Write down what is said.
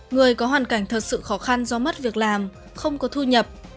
người có hoàn cảnh thật sự khó khăn do mất việc làm không có thu nhập